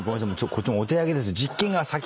こっちもお手上げです。